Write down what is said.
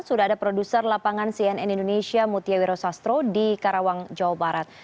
sudah ada produser lapangan cnn indonesia mutia wiro sastro di karawang jawa barat